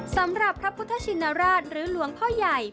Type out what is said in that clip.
สำหรับพระพุทธชินราชหรือหลวงพ่อใหญ่